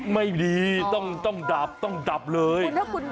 ไม่ดีต้องดับเลย